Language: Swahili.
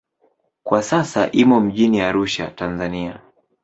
Kwa sasa imo mjini Arusha, Tanzania.